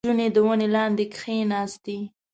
• نجونه د ونې لاندې کښېناستې.